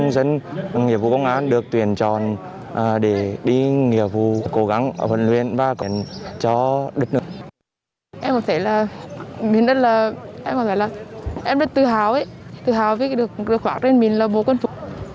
vì vậy tôi rất tự hào vì được được phát triển mình là một tên quân thù